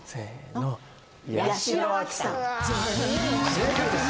正解です。